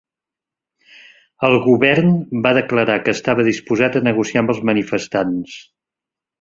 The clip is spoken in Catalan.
El govern va declarar que estava disposat a negociar amb els manifestants.